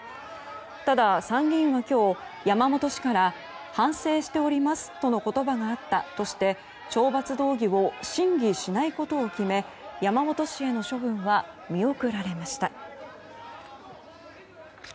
ただ、参議院は今日山本氏から反省しておりますとの言葉があったとして懲罰動議を審議しないことを決め山本氏への処分は見送られました。